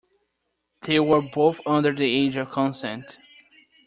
They were both under the age of consent.